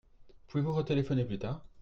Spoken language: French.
Pouvez-vous retéléphoner plus tard ?